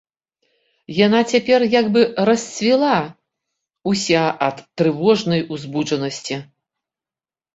Яна цяпер як бы расцвіла ўся ад трывожнай узбуджанасці.